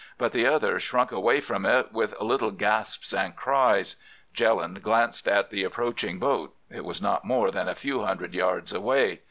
But the other shrunk away from it with little gasps and cries. Jelland glanced at the approaching boat. It was not more than a few hundred yards away.